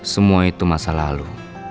semua itu masa lalu